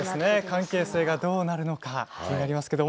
関係性がどうなるのか気になります。